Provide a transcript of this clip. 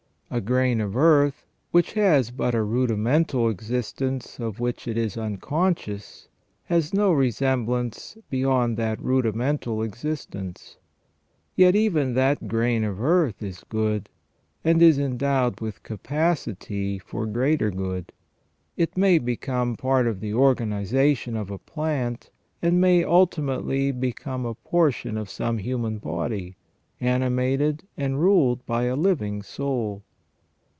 A grain of earth, which has but a rudimental existence of which it is unconscious, has no resemblance beyond that rudimental existence. Yet even that grain of earth is good, and is endowed with capacity for greater good. It may become part of the organization of a plant, and may ultimately become a portion of some human body, animated and ruled by a living soul.